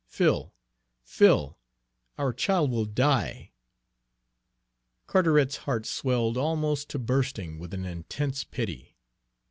Phil, Phil, our child will die!" Carteret's heart swelled almost to bursting with an intense pity.